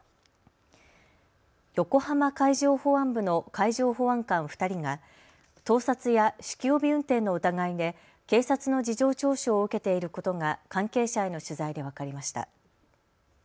横浜海上保安部の海上保安官２人が盗撮や酒気帯び運転の疑いで警察の事情聴取を受けていることが関係者への取材で分かりました。